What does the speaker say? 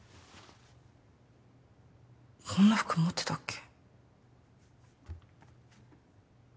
こんな服持ってたっけ。